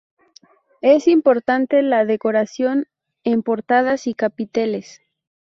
Es importante la decoración en portadas y capiteles.